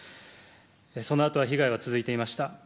そのあとも被害は続いていました。